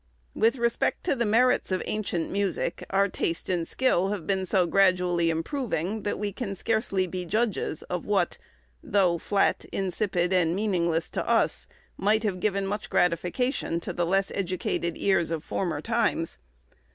With respect to the merits of ancient music, our taste and skill have been so gradually improving, that we can scarcely be judges of what—though flat, insipid, and meaningless to us—might have given much gratification to the less educated ears of former times.